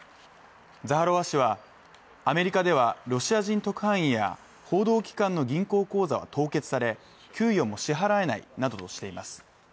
ザハロワ氏は、アメリカではロシア人特派員や報道機関の銀行口座は凍結され、給与も支払えないなどとしています。